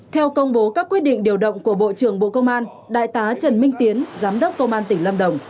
theo công bố các quyết định điều động của bộ trưởng bộ công an đại tá trần minh tiến giám đốc công an tỉnh lâm đồng